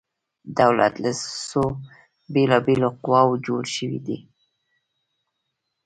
دولت له څو بیلا بیلو قواو جوړ شوی دی؟